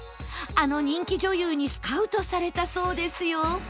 あの人気女優にスカウトされたそうですよ